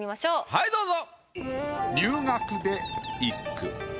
はいどうぞ。